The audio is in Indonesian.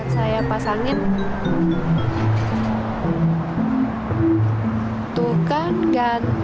tuh kan ganteng